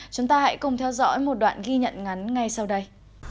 chúng ta hãy cùng theo dõi một đoạn ghi nhận ngắn ngay sau đây